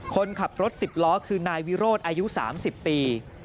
คนขับรถ๑๐ล้อคือนายวิโรธอายุ๓๐ปี